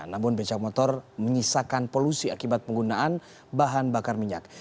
namun becak motor menyisakan polusi akibat penggunaan bahan bakar minyak